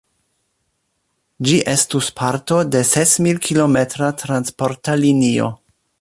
Ĝi estus parto de sesmil-kilometra transporta linio.